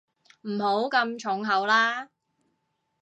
唔好咁重口啦